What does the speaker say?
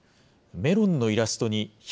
メロンのイラストに１００％